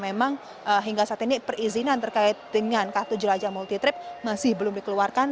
memang hingga saat ini perizinan terkait dengan kartu jelajah multi trip masih belum dikeluarkan